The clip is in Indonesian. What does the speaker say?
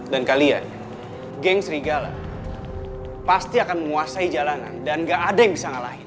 dan kalian geng serigala pasti akan menguasai jalanan dan nggak ada yang bisa ngalahin